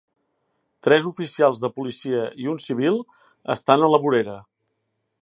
Tres oficials de policia i un civil estan a la vorera.